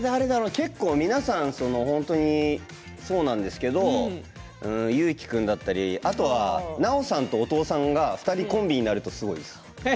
結構皆さん本当にそうなんですけど裕貴君だったり南朋さんと音尾さんが２人コンビになるとすごいです。